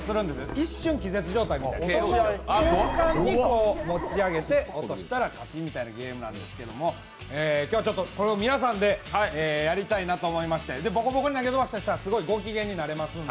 一瞬気絶状態になって、その瞬間に持ち上げて落としたら勝ちみたいなゲームなんですけど皆さんでやりたいなと思いまして、ボコボコにしたらすごいごきげんになれますんで。